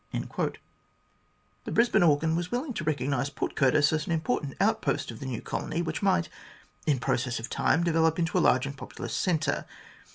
The Brisbane organ was willing to recognise Port Curtis as an important outpost of the new colony, which might, in process of time, develop into a large and populous centre.